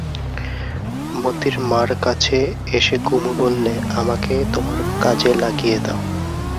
মোতির মার কাছে এসে কুমু বললে, আমাকে তোমার কাজে লাগিয়ে দাও।